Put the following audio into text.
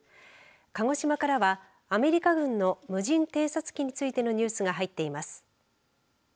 鹿児島からはアメリカ軍の無人偵察機についてのニュースが入っています。